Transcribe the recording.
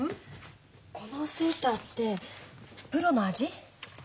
このセーターってプロの味？